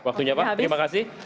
waktunya pak terima kasih